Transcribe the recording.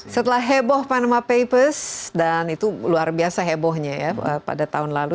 setelah heboh panama papers dan itu luar biasa hebohnya ya pada tahun lalu